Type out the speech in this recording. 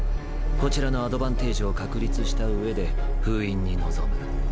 こちらのアドバンテージを確立したうえで封印に臨む。